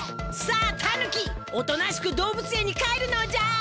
さあタヌキおとなしく動物園に帰るのじゃ！